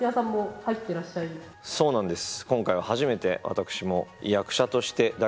そうなんです。